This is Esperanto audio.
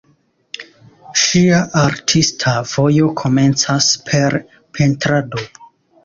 Ŝia artista vojo komencas per pentrado.